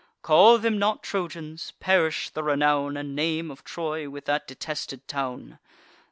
Call them not Trojans: perish the renown And name of Troy, with that detested town.